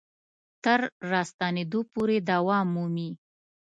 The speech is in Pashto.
تر راستنېدو پورې دوام مومي.